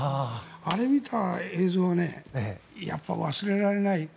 あれを見た映像はやっぱり忘れられない。